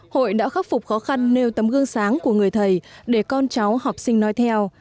hội đã khắc phục khó khăn nêu tấm gương sáng của người thầy để con cháu học sinh nói theo